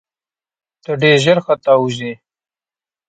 ته ډېر ژر ختاوزې !